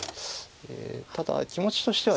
ただ気持ちとしては。